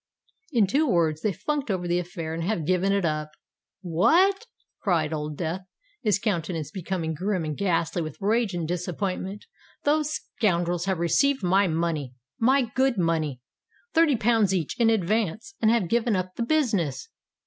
"In two words, they funked over the affair and have given it up." "What!" cried Old Death, his countenance becoming grim and ghastly with rage and disappointment: "those scoundrels have received my money—my good money—thirty pounds each, in advance—and have given up the business!